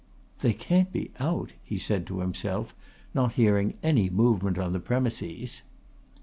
"They can't be out," he said to himself, not hearing any movement on the premises.